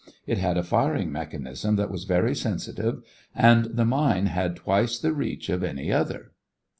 It had a firing mechanism that was very sensitive and the mine had twice the reach of any other.